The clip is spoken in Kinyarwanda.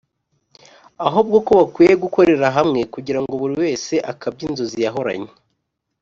ahubwo ko bakwiye gukorera hamwe kugirango buri wese akabye inzozi yahoranye